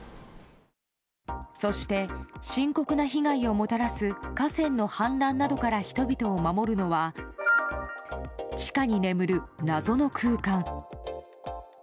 そして深刻な被害をもたらす河川の氾濫などから人々を守るのは地下に眠る謎の空間。